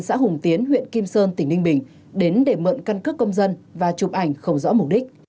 xã hùng tiến huyện kim sơn tỉnh ninh bình đến để mượn căn cước công dân và chụp ảnh không rõ mục đích